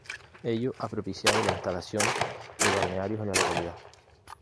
Ello ha propiciado la instalación de balnearios en la localidad.